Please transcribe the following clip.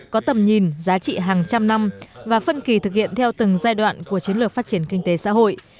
có tầm nhìn giá trị hàng trăm năm và phân kỳ thực hiện theo từng giai đoạn của chiến lược phát triển kinh tế xã hội